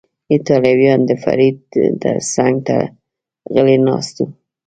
ایټالویان، د فرید څنګ ته غلی ناست و.